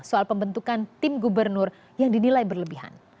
soal pembentukan tim gubernur yang dinilai berlebihan